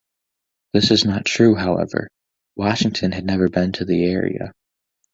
This is not true however; Washington had never been to the area.